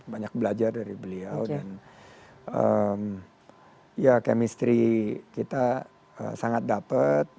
banyak belajar dari beliau dan ya chemistry kita sangat dapat